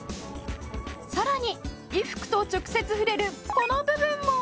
さらに衣服と直接触れるこの部分も。